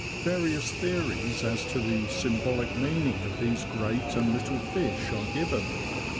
Various theories as to the symbolic meaning of these great and little fish are given.